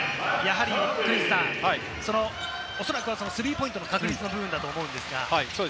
おそらくスリーポイントの確率の部分だと思うのですが。